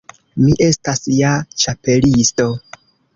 Mi estas ja Ĉapelisto.